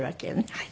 はい。